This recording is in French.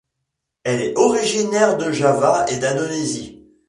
Elle est originaire de Java et d'Indonésie.